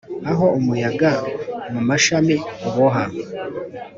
aho umuyaga mumashami uboha